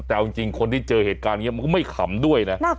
แต่เอาจริงคนที่เจอเหตุการณ์นี้มันก็ไม่ขำด้วยนะ